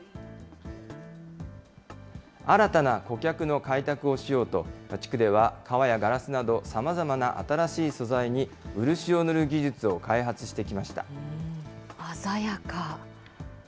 新たな顧客の開拓をしようと、地区では皮やガラスなど、さまざまな新しい素材に漆を塗る技術を開発してきました。